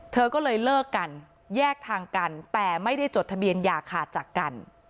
เธอก็เลยเลิกกันแยกทางกันแต่ไม่ได้จดทะเบียนอย่าขาดจากกัน